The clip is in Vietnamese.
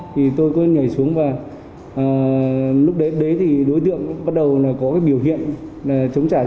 thì tôi cứ nhảy xuống và lúc đấy thì đối tượng bắt đầu có cái biểu hiện chống trả